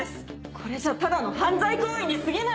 これじゃただの犯罪行為に過ぎない！